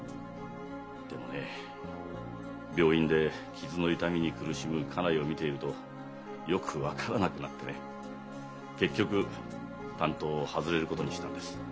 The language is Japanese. でもね病院で傷の痛みに苦しむ家内を見ているとよく分からなくなってね結局担当を外れることにしたんです。